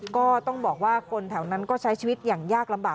ก็ต้องบอกว่าคนแถวนั้นก็ใช้ชีวิตอย่างยากลำบาก